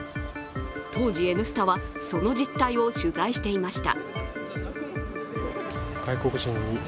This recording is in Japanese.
当時、「Ｎスタ」はその実態を取材していました。